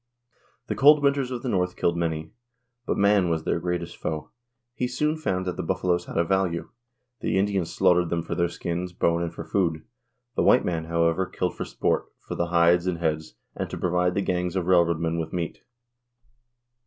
The cold winters of the north killed many. But man was their greatest foe. He soon found that the buffaloes had a value. The Indians slaughtered them for their skins, bone and for food. The white man, however, killed for sport, for the hides and heads, and to provide the gangs of railroad men with meat.